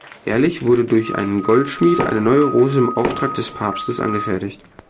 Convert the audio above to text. Jährlich wurde durch einen Goldschmied eine neue Rose im Auftrag des Papstes angefertigt.